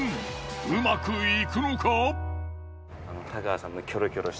うまくいくのか？